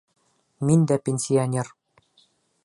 Мин дә пенсионер.